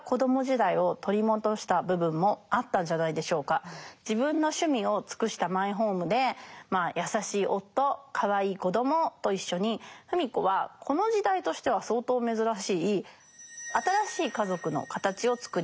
一方芙美子は自分の趣味を尽くしたマイホームで優しい夫かわいい子どもと一緒に芙美子はこの時代としては相当珍しい新しい家族の形をつくりました。